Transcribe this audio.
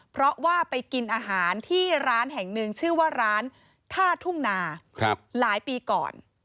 เพราะว่าไปกินอาหารที่ร้านแห่งหนึ่งชื่อว่าร้านท่าทุ่งนาหลายปีก่อน